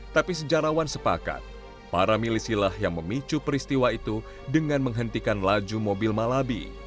tapi sejarawan sepakat para milisilah yang memicu peristiwa itu dengan menghentikan laju mobil malabi